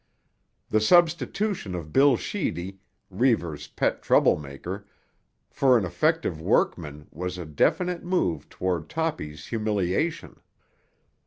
The substitution of Bill Sheedy, Reivers' pet troublemaker, for an effective workman was a definite move toward Toppy's humiliation.